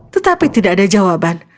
tetapi tidak ada jawaban